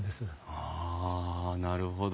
あなるほど。